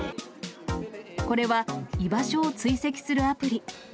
これは居場所を追跡するアプリ。